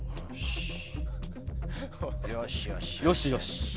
よしよし。